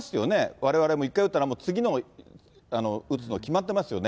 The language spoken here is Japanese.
われわれも１回打ったら次の打つの決まってますよね。